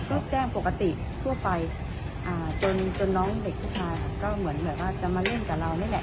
ก็แจ้งปกติทั่วไปอ่าจนจนน้องเด็กสุดท้ายอ่ะก็เหมือนเหมือนว่าจะมาเล่นกับเรานี่แหละ